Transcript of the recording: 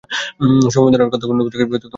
সমবেদনার কোনো কথা তুললে, তোমাকে গুলি করে দেবো।